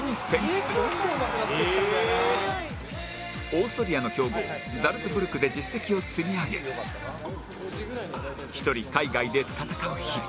オーストリアの強豪ザルツブルクで実績を積み上げ１人海外で戦う日々